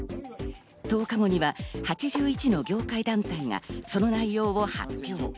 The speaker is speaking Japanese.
１０日後には８１の業界団体がその内容を発表。